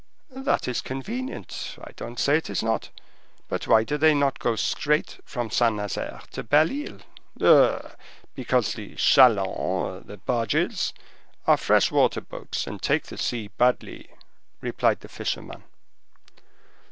"That is convenient,—I don't say it is not; but why do they not go straight from Saint Nazaire to Belle Isle?" "Eh! because the chalands (barges) are fresh water boats, and take the sea badly," replied the fisherman.